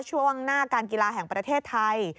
ช่วงหน้าการกีฬาแห่งประเทศไทย